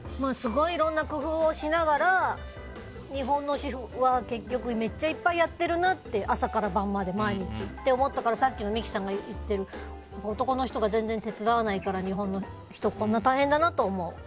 すごくいろんな工夫をしながら日本の主婦は結局めっちゃいっぱいやってるなって朝から晩まで毎日って思ったからさっき三木さんが言ってる男の人が全然手伝わないから大変だなと思う。